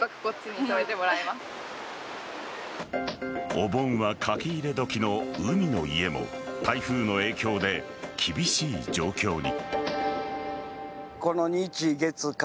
お盆は書き入れ時の海の家も台風の影響で厳しい状況に。